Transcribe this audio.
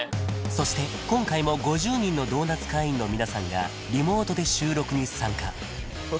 そして今回も５０人のドーナツ会員の皆さんがリモートで収録に参加うわ